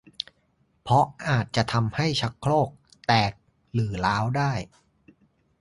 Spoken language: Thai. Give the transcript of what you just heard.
เพราะอาจะทำให้ชักโครกแตกหรือร้าวได้